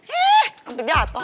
ih hampir jatoh